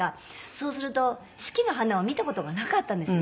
そうすると四季の花を見た事がなかったんですね。